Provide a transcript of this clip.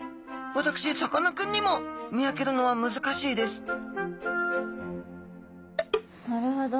私さかなクンにも見分けるのは難しいですなるほど。